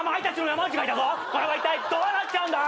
これはいったいどうなっちゃうんだ！？